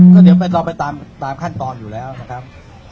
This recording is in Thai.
ก็เดี๋ยวไปต้องไปตามขั้นตอนอยู่แล้วนะครับ